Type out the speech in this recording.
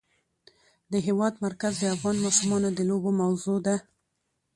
د هېواد مرکز د افغان ماشومانو د لوبو موضوع ده.